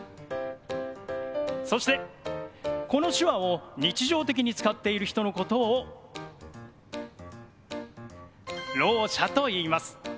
そしてこの手話を日常的に使っている人のことをろう者といいます。